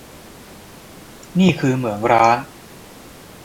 นี่คือเหมืองร้าง